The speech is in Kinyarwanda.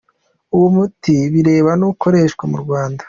Uwo muti bireba ntukoreshwa mu Rwanda.